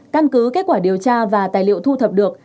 căn cứ kết quả điều tra và tài liệu thu thập được